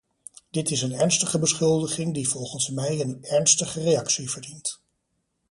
Dit is een ernstige beschuldiging, die volgens mij een ernstige reactie verdient.